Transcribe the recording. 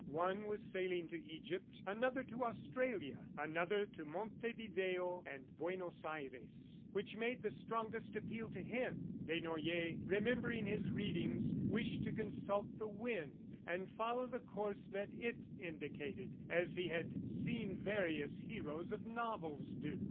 One was sailing to Egypt, another to Australia, another to Montevideo and Buenos Aires, which made the strongest appeal to him? ... Desnoyers, remembering his readings, wished to consult the wind and follow the course that it indicated, as he had seen various heroes of novels do.